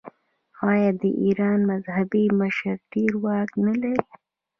آیا د ایران مذهبي مشر ډیر واک نلري؟